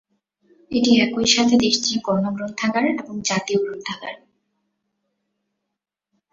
এটি একই সাথে দেশটির গণ গ্রন্থাগার এবং জাতীয় গ্রন্থাগার।